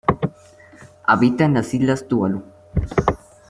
Habita en las islas Tuvalu.